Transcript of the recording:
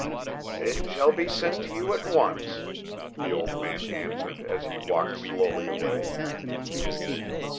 "It shall be sent to you at once," the old man answered, as he walked slowly away.